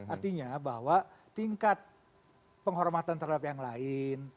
artinya bahwa tingkat penghormatan terhadap yang lain